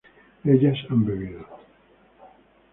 ellas han bebido